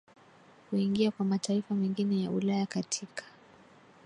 kuingia kwa mataifa mengine ya Ulaya Katika